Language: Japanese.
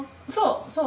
そう！